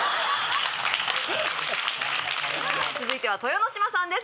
続いては豊ノ島さんです